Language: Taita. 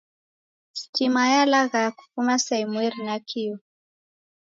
Stima yalaghaya kufuma saa imweri nakio